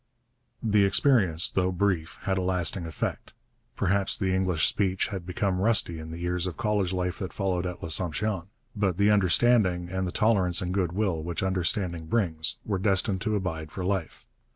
The experience, though brief, had a lasting effect. Perhaps the English speech became rusty in the years of college life that followed at L'Assomption, but the understanding, and the tolerance and goodwill which understanding brings, were destined to abide for life.